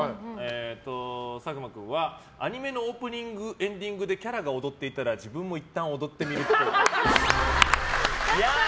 佐久間君はアニメのオープニング、エンディングでキャラが踊っていたら自分もいったん踊ってみるっぽい。